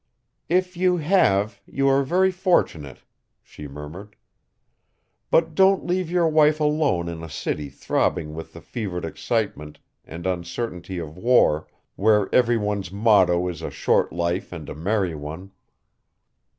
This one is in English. "If you have, you are very fortunate," she murmured. "But don't leave your wife alone in a city throbbing with the fevered excitement and uncertainty of war, where every one's motto is a short life and a merry one!